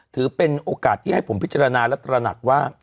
ถือเป็นโอกาสที่ให้ผมพิจารณาและตระหนักว่า